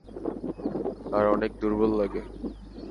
আর অনেক দূর্বল লাগে।